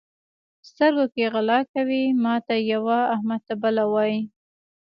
سترګو کې غلا کوي؛ ماته یوه، احمد ته بله وایي.